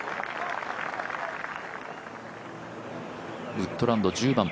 ウッドランド、１０番。